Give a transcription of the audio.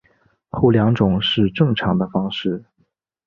后两种是正常的方式。